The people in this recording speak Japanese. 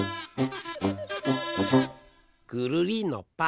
くるりんのぱ！